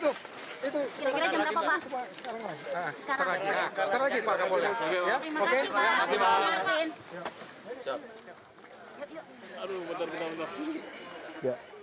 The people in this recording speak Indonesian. aduh bentar bentar bentar